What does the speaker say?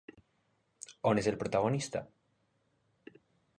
On és el protagonista?